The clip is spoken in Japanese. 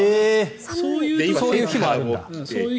そういう日もあるんだ。